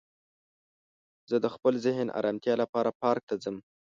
زه د خپل ذهن ارامتیا لپاره پارک ته ځم